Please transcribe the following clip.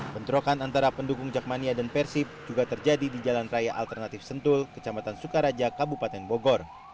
bentrokan antara pendukung jakmania dan persib juga terjadi di jalan raya alternatif sentul kecamatan sukaraja kabupaten bogor